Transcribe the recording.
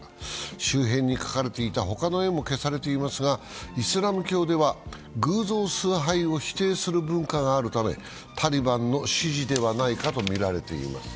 周辺に描かれていた他の絵も消されていますが、イスラム教では偶像崇拝を否定する文化があるためタリバンの指示ではないかとみられています。